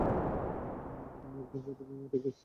মোর বাফে দেবে মোরে গেরস্তেরি ঘরে।